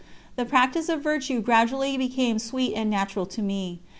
The practice of virtue gradually became sweet and natural to me.